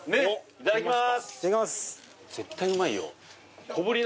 いただきます。